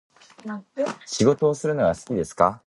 仕事をするのが好きですか